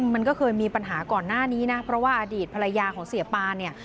มันก็เคยมีปัญหาก่อนหน้านี้นะเพราะว่าอดีตภรรยาของเสียปานเนี่ย